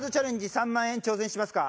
３万円挑戦しますか？